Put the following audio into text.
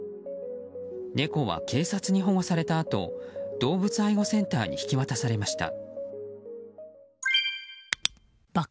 猫は警察に保護されたあと動物愛護センターに引き渡されました。